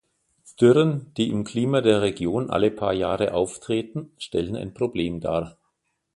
Dürren, die im Klima der Region alle paar Jahre auftreten, stellen ein Problem dar.